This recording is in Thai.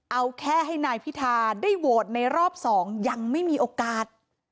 เอาแค่ให้นายพิธาได้โหวตในรอบ๒ยังไม่มีโอกาส